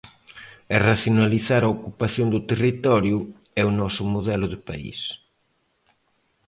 E racionalizar a ocupación do territorio é o noso modelo de país.